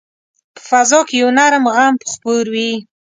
په فضا کې یو نرم غم خپور وي